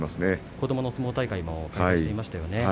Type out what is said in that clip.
子どもの相撲大会も開催しましたね。